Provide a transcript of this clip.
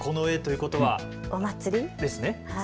お祭りですね。